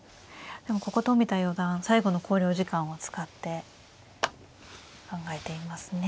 でもここ冨田四段最後の考慮時間を使って考えていますね。